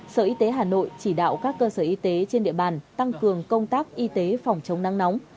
sở y tế hà nội chỉ đạo các cơ sở y tế trên địa bàn tăng cường công tác y tế phòng chống nắng nóng